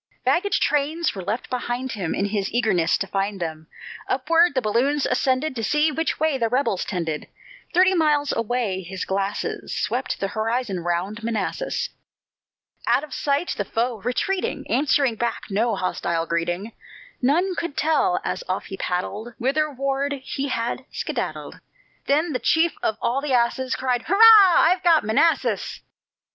Baggage trains were left behind him, In his eagerness to find them; Upward the balloons ascended, To see which way the rebels trended; Thirty miles away his glasses Swept the horizon round Manassas. Out of sight, the foe, retreating, Answered back no hostile greeting; None could tell, as off he paddled, Whitherward he had skedaddled. Then the chief of all the asses Cried: "Hurrah! I've got Manassas."